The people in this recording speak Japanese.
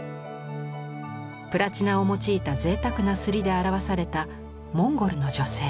プラチナを用いた贅沢なりで表されたモンゴルの女性。